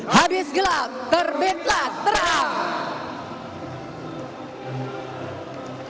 habis gelap terbitlah terang